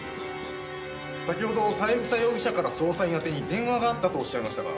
先ほど三枝容疑者から捜査員宛てに電話があったとおっしゃいましたが？